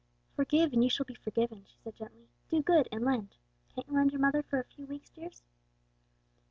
"'Forgive, and you shall be forgiven,'" she said gently. "'Do good and lend.' Can't you lend your mother for a few weeks, dears?"